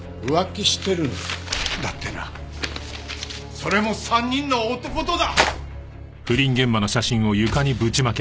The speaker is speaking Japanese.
それも３人の男とだ！